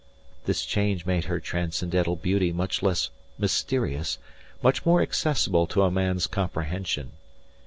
This change made her transcendental beauty much less mysterious, much more accessible to a man's comprehension.